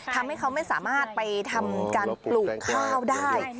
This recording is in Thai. ทำให้เขาไม่สามารถไปทำการปลูกข้าวได้